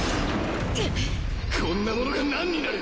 こんなものがなんになる。